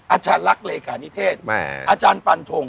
อาจารย์รักเรขานิเทศอาจารย์ปันธง